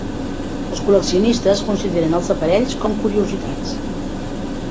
Els col·leccionistes consideren els aparells com curiositats.